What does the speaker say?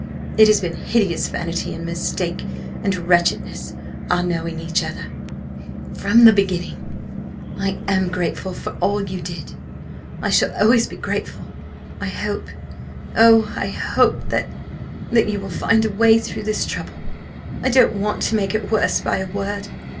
It has been hideous vanity and mistake and wretchedness our knowing each other from the beginning. I am grateful for all you did, I shall always be grateful. I hope oh! I hope that that you will find a way through this trouble. I don't want to make it worse by a word.